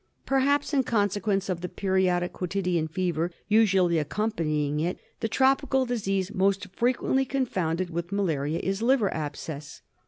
Perhaps in consequence of the periodic quotidian fever usually accompanying it, the tropical disease most fre quently confounded with malaria is Liver Abscess.